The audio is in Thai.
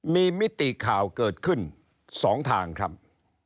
มีมิติข่าวเกิดขึ้น๒ทางครับ